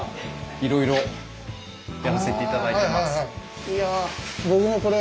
いろいろやらせて頂いてます。